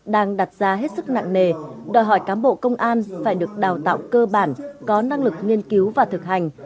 đang đặt ra hết sức nặng nề đòi hỏi cán bộ công an phải được đào tạo cơ bản có năng lực nghiên cứu và thực hành